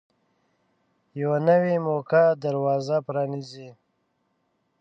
یوه نوې موقع دروازه پرانیزي.